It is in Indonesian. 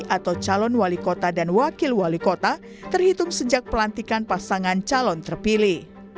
atau calon wali kota dan wakil wali kota terhitung sejak pelantikan pasangan calon terpilih